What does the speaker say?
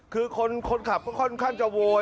คือคนขับก็ค่อนข้างจะโวย